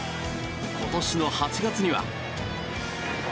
今年の８月には。